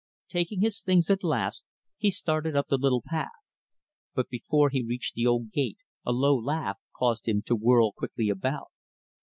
Taking his things, at last, he started up the little path. But before he reached the old gate, a low laugh caused him to whirl quickly about.